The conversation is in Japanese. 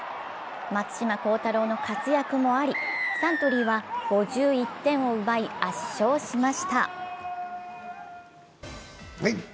松島幸太朗の活躍もありサントリーは５１点を奪い圧勝しました。